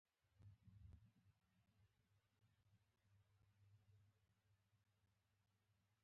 تر تقاعد وروسته یې د سیاسي مکتب افغان ملت ګوند هم رامنځته کړ